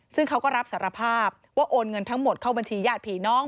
ซึ่งเขาก็รับสารภาพว่าโอนเงินทั้งหมดเข้าบัญชีญาติผีน้อง